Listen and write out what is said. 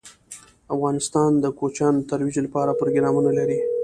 افغانستان د کوچیان د ترویج لپاره پروګرامونه لري.